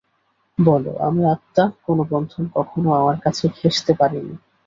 বলো আমি আত্মা, কোন বন্ধন কখনও আমার কাছে ঘেঁষতে পারেনি।